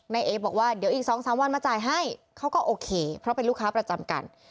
เอ๊บอกว่าเดี๋ยวอีก๒๓วันมาจ่ายให้เขาก็โอเคเพราะเป็นลูกค้าประจำกัน